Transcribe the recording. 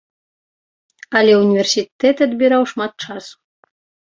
Але ўніверсітэт адбіраў шмат часу.